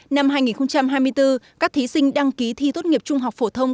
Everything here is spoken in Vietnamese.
năm hai nghìn hai mươi bốn các thí sinh đăng ký thi tốt nghiệp trung học phổ thông